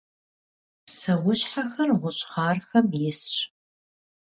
Pseuşhexer ğuş'xharxem yisş.